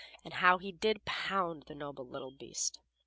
And how he did pound the noble little beast!